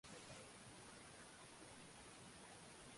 natamani sana ungeelewa hivyo